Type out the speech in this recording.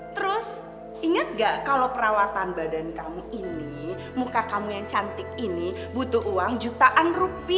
terus ingat gak kalau perawatan badan kamu ini muka kamu yang cantik ini butuh uang jutaan rupiah